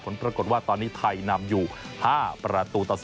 ผลปรากฏว่าตอนนี้ไทยนำอยู่๕ประตูต่อ๒